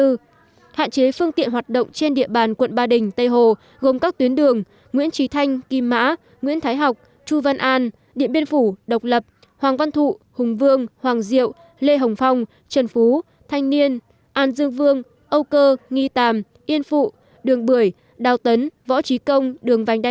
trong ba ngày một mươi một một mươi hai và một mươi ba tháng một mươi một hạn chế phương tiện hoạt động trên địa bàn quận ba đình tây hồ gồm các tuyến đường nguyễn trí thanh kim mã nguyễn thái học chu văn an điện biên phủ độc lập hoàng văn thụ hùng vương hoàng diệu lê hồng phong trần phú thanh niên an dương vương âu cơ nghi tàm yên phụ đường bưởi đào tấn võ trí công đường vành đai hai